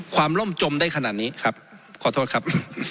ล่มจมได้ขนาดนี้ครับขอโทษครับ